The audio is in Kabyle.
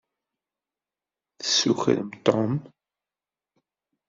Tessukrem Tom.